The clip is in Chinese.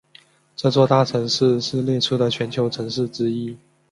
这座大都市是列出的全球城市之一。